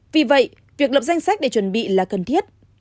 vì vậy việc lập danh sách để chuẩn bị là cần thiết